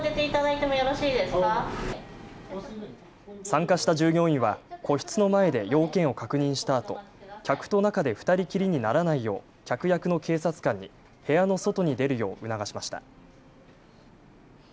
参加した従業員は個室の前で用件を確認したあと客と中で２人きりにならないよう客役の警察官に部屋の外に出るよう促しました。